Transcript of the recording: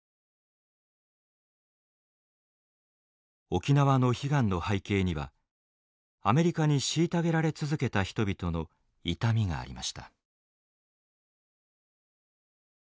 沖縄の悲願の背景にはアメリカに虐げられ続けた人々の痛みがありました。